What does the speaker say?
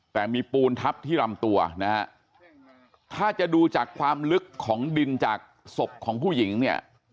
แต่มีปูนทับที่ลำตัวนะฮะถ้าจะดูจากความลึกของดินจากศพของผู้หญิงเนี่ย